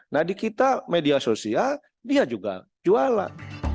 nah di kita media sosial dia juga jualan